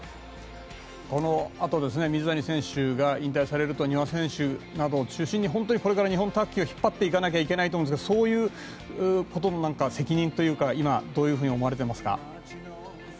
このあと水谷選手が引退されると丹羽選手などを中心に本当にこれから日本卓球を引っ張っていかなきゃいけないと思いますがそういうことの責任というか今、どういうふうに思われていますか？